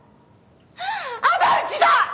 仇討ちだ！！